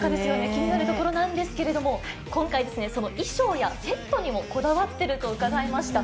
気になるところなんですけれども、今回、その衣装やセットにもこだわってると伺いました。